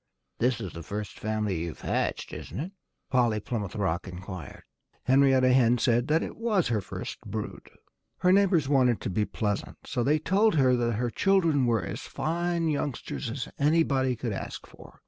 "This is the first family you've hatched, isn't it?" Polly Plymouth Rock inquired. Henrietta Hen said that it was her first brood. Her neighbors wanted to be pleasant. So they told her that her children were as fine youngsters as anybody could ask for.